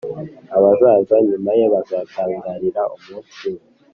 abazaza nyuma ye bazatangarira umunsi we,